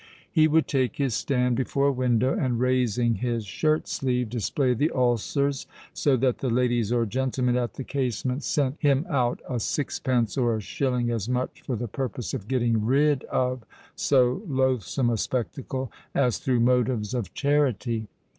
He would take his stand before a window, and, raising his shirt sleeve, display the ulcers, so that the ladies or gentlemen at the casement sent him out a sixpence or a shilling as much for the purpose of getting rid of so loathsome a spectacle as through motives of charity.